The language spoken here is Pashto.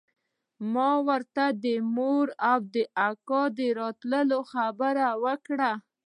ما ورته د مور او د اکا د راتلو خبره وکړه.